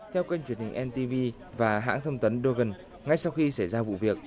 theo kênh truyền hình ntv và hãng thông tấn dogen ngay sau khi xảy ra vụ việc